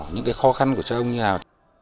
những khó khăn của chồng như thế nào